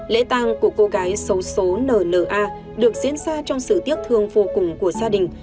lễ tàng của cô gái xấu số nla được diễn ra trong sự tiếc thương vô cùng của gia đình